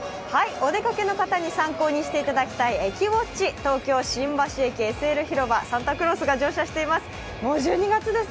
お出かけの方に参考にしていただきたい駅ウオッチ、東京新橋駅ＳＬ広場、サンタクロースが運転しています。